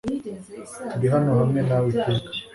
Turi hano hamwe nawe iteka